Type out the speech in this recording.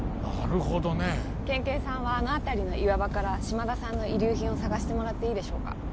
なるほどね県警さんはあの辺りの岩場から島田さんの遺留品を捜してもらっていいでしょうか